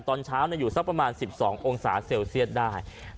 ตอนเช้าอยู่สักประมาณ๑๒องศาเซลเซียตได้